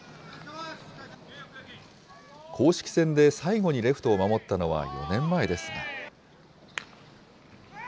公式戦で最後にレフトを守ったのは４年前ですが。